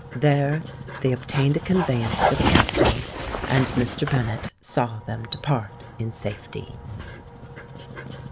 There they obtained a conveyance for the capital, and Mr. Bennet saw them depart in safety.